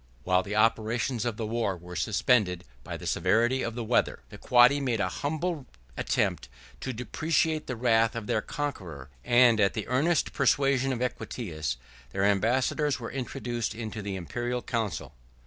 While the operations of war were suspended by the severity of the weather, the Quadi made an humble attempt to deprecate the wrath of their conqueror; and, at the earnest persuasion of Equitius, their ambassadors were introduced into the Imperial council.